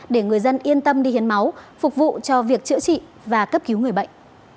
để người dân yên tâm đi hiến máu phục vụ cho việc chữa trị và cấp cứu người bệnh